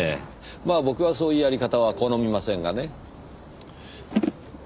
まあ僕はそういうやり方は好みませんがね。